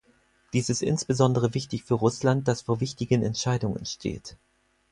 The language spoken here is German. Dies ist insbesondere wichtig für Russland, das vor wichtigen Entscheidungen steht.